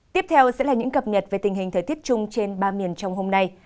tiếp theo sẽ là những cập nhật về tình hình thời tiết chung trên ba miền trong hôm nay